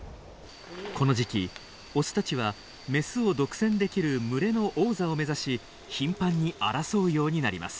この時期オスたちはメスを独占できる群れの王座を目指し頻繁に争うようになります。